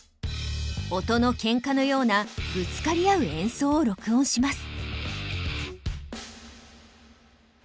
音の喧嘩のようなぶつかり合う演奏を録音します。